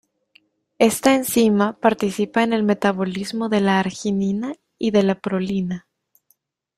Esta enzima participa en el metabolismo de la arginina y de la prolina.